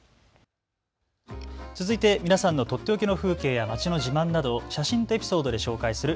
続いて皆さんのとっておきの風景や街の自慢などを写真とエピソードで紹介する＃